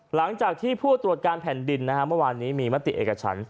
หลังจากที่ผู้ตรวจการแผ่นดินนะฮะเมื่อวานนี้มีมติเอกชั้น